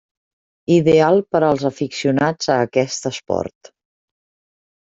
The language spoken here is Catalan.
Ideal per als aficionats a aquest esport.